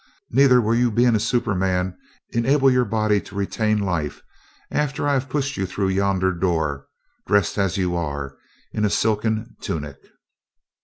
Neither will your being a superman enable your body to retain life after I have pushed you through yonder door, dressed as you are in a silken tunic."